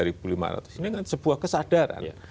ini kan sebuah kesadaran